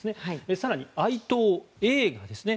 更に愛党映画ですね。